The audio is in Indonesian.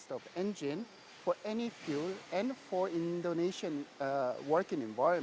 untuk setiap minyak dan untuk lingkungan kerja di indonesia